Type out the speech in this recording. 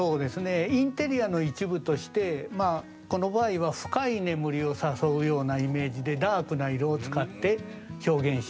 インテリアの一部としてこの場合は深い眠りを誘うようなイメージで、ダークな色を使って表現しています。